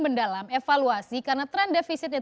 mendalam evaluasi karena tren defisitnya